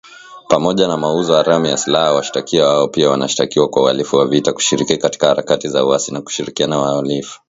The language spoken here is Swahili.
Pamoja na mauzo haramu ya silaha, washtakiwa hao pia wanashtakiwa kwa uhalifu wa vita, kushiriki katika harakati za uasi na kushirikiana na wahalifu